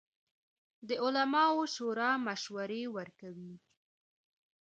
د علماوو شورا مشورې ورکوي